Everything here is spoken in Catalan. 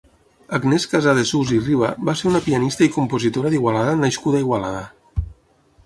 Agnès Casadesús i Riba va ser una pianista i compositora d'Igualada nascuda a Igualada.